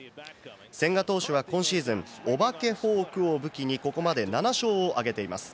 千賀投手は今シーズン、おばけフォークを武器に、ここまで７勝を挙げています。